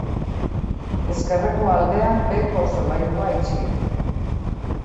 Ezkerreko aldean beheko solairua itxia.